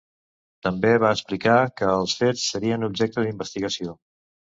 També va explicar que els fets serien objecte d’investigació.